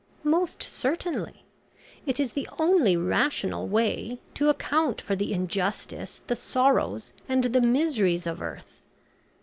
"Most certainly. It is the only rational way to account for the injustice, the sorrows, and the miseries of earth.